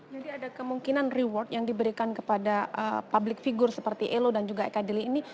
jadi ada kemungkinan reward yang diberikan kepada public figure seperti elo dan juga eka deli ini